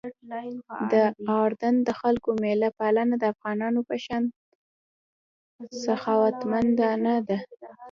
د اردن د خلکو میلمه پالنه د افغانانو په شان سخاوتمندانه ده.